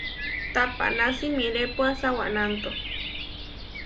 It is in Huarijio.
Tapaná simirépua sawanánto?